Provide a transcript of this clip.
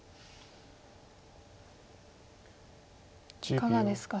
いかがですか？